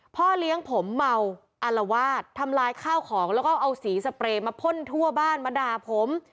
พ่อเลี้ยงผมเมาอารวาสทำลายข้าวของแล้วก็เอาสีสเปรย์มาพ่นทั่วบ้านมาด่าผม